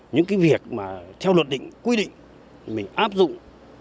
những cái việc mà theo luật định quy định mình áp dụng